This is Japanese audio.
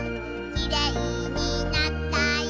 「きれいになったよ